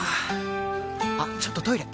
あっちょっとトイレ！